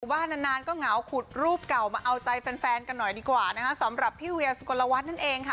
ว่านานนานก็เหงาขุดรูปเก่ามาเอาใจแฟนกันหน่อยดีกว่านะคะสำหรับพี่เวียสุกลวัฒน์นั่นเองค่ะ